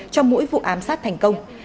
cho mỗi vụ ám sát thành công